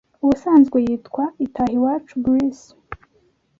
Ubusanzwe yitwa Itahiwacu Bruce